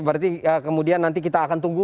berarti kemudian nanti kita akan tunggu